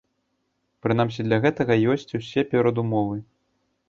Прынамсі, для гэтага ёсць усе перадумовы.